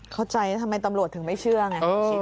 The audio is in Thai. เข้าใจแล้วทำไมตำรวจถึงไม่เชื่อไง